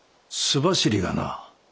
州走りがな。